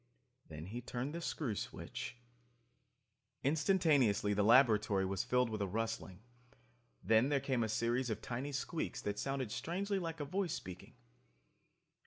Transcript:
Then he turned the screw switch ... Instantaneously the laboratory was filled with a rustling. Then there came a series of tiny squeaks that sounded strangely like a voice speaking.